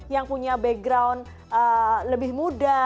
yang punya background lebih muda